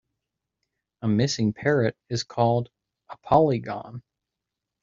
A missing parrot is called a polygon.